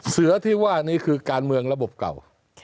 เสือที่ว่านี้คือการเมืองระบบเก่า